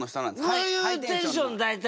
こういうテンション大体。